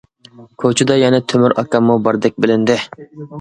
كوچىدا يەنە تۆمۈر ئاكاممۇ باردەك بىلىندى.